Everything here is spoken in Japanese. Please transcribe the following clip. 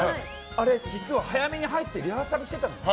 あれ実は早めに入ってリハーサルしてたの。